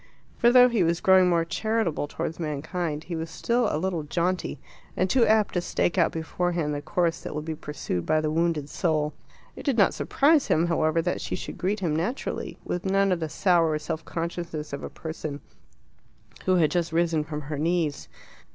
For though he was growing more charitable towards mankind, he was still a little jaunty, and too apt to stake out beforehand the course that will be pursued by the wounded soul. It did not surprise him, however, that she should greet him naturally, with none of the sour self consciousness of a person who had just risen from her knees.